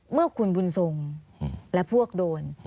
เมื่อคุณบุญทรงและพวกโดน